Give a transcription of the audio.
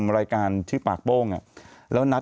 อะไรอย่างงี้แหละครับ